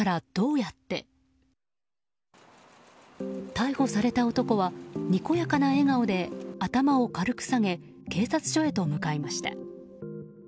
逮捕された男はにこやかな笑顔で頭を軽く下げ警察署へと向かいました。